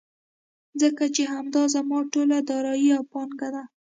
ځکه چې همدا زما ټوله دارايي او پانګه ده.